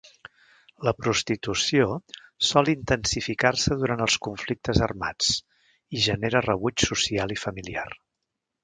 La prostitució sol intensificar-se durant els conflictes armats i genera rebuig social i familiar.